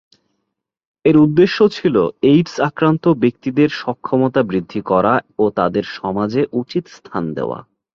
এর উদ্দেশ্য ছিল এইডস আক্রান্ত ব্যক্তিদের সক্ষমতা বৃদ্ধি করা ও তাদের সমাজে উচিত স্থান দেওয়া।